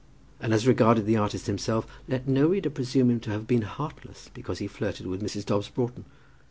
And as regarded the artist himself, let no reader presume him to have been heartless because he flirted with Mrs. Dobbs Broughton.